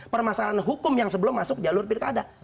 permasalahan hukum yang sebelum masuk jalur pilkada